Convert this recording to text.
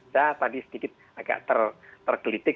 saya tadi sedikit agak tergelitik